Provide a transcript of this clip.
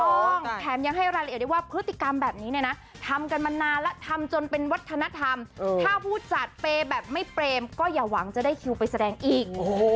แถมยังให้รายละเอียดได้ว่าพฤติกรรมแบบนี้เนี่ยนะทำกันมานานแล้วทำจนเป็นวัฒนธรรมถ้าผู้จัดเปย์แบบไม่เปรมก็อย่าหวังจะได้คิวไปแสดงอีก